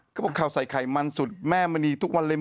เขาบอกข่าวใส่ไข่มันสุดแม่มณีทุกวันเลย